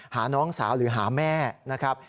น้องสาวหรือหาแม่นะครับ